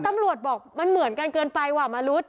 ตำรวจบอกมันเหมือนกันเกินไปว่ะมนุษย์